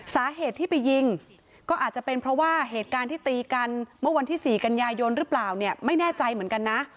สาเหตุที่ไปยิงก็อาจจะเป็นเพราะว่าเหตุการณ์ที่ตีกันเมื่อวันที่๔กันยายนหรือเปล่าเนี่ยไม่แน่ใจเหมือนกันนะ